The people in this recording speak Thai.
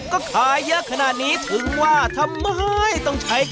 ซึ่งขายเยอะขนาดนี้ถึงว่าทำไมต้องใช้ครบใหญ่